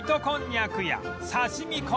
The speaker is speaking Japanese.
こんにゃくや刺身